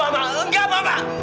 mama enggak mama